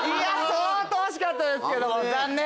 相当惜しかったですけども残念。